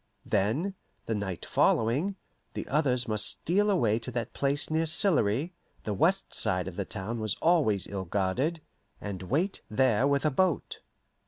Then, the night following, the others must steal away to that place near Sillery the west side of the town was always ill guarded and wait there with a boat.